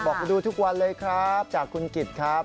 มาดูทุกวันเลยครับจากคุณกิจครับ